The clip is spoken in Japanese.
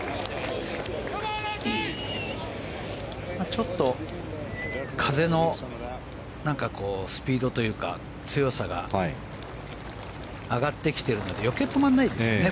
ちょっと風のスピードというか強さが上がってきてるので余計、止まらないですよね